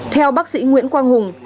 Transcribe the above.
theo bác sĩ nguyễn quang hùng